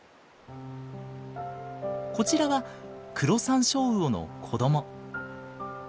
こちらはクロサンショウウオの子ども。